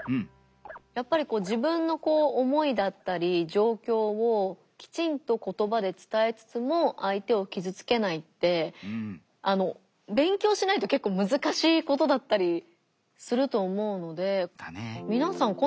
やっぱり自分の思いだったり状況をきちんと言葉で伝えつつも相手を傷つけないって勉強しないと結構難しいことだったりすると思うので。